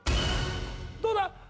どうだ？